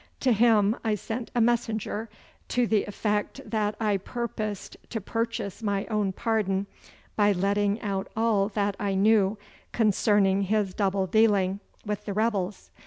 To him I sent a messenger, to the effect that I purposed to purchase my own pardon by letting out all that I knew concerning his double dealing with the rebels.